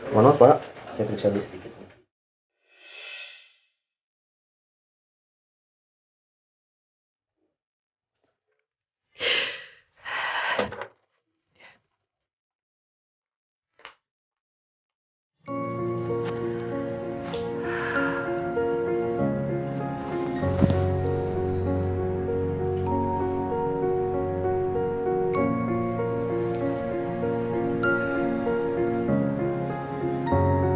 mohon maaf pak saya teriksa di sedikit